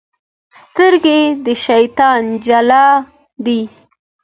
سترګې د شیطان جال دی.